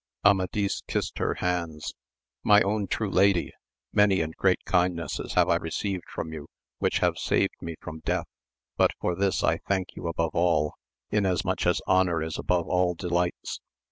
Amadis kissed her hands ; my own true lady, many and great kindnesses have I received from you which have saved me from death, but for this I thank you above all, inasmuch as honour is above all delights.